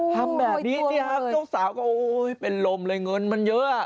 ทำแบบนี้สิครับเจ้าสาวก็โอ้ยเป็นลมเลยเงินมันเยอะ